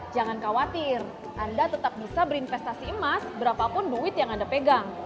jangan khawatir anda tetap bisa berinvestasi emas berapapun duit yang anda pegang